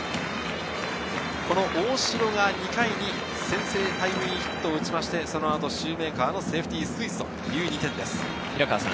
大城が２回に先制タイムリーヒットを打ちまして、そのあとシューメーカーのセーフティースクイズという２点です。